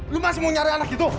lu mas mau nyari anak gitu